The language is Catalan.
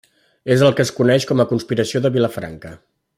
És el que es coneix com a Conspiració de Vilafranca.